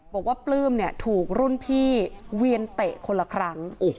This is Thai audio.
บอกว่าปลื้มถูกรุ่นพี่เวียนเตะคนละครั้ง